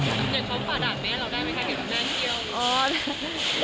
เค้าฝ่าดาบนี้เราได้ไหมคะเห็นแบบนั้นเดียว